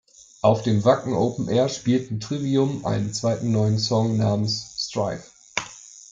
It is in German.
Auf dem Wacken Open Air spielten Trivium einen zweiten neuen Song namens "Strife".